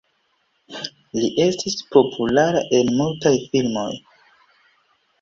Li estis populara en mutaj filmoj.